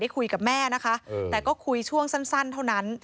คุยกับแม่นะคะแต่ก็คุยช่วงสั้นเท่านั้น